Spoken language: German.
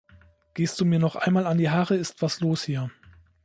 Gehst du mir noch einmal an die Haare ist was los hier!